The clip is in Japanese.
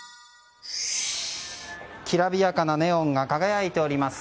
きらびやかなネオンが輝いております。